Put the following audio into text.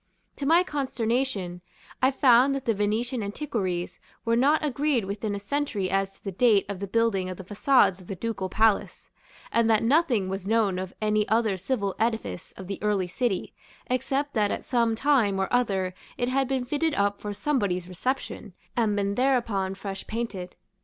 To my consternation, I found that the Venetian antiquaries were not agreed within a century as to the date of the building of the façades of the Ducal Palace, and that nothing was known of any other civil edifice of the early city, except that at some time or other it had been fitted up for somebody's reception, and been thereupon fresh painted.